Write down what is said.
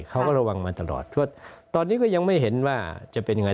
เขาก็ระวังมาตลอดเพราะตอนนี้ก็ยังไม่เห็นว่าจะเป็นยังไง